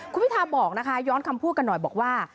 คุณพิทาบอกนะคะย้อนคำพูดกันหน่อยบอกว่า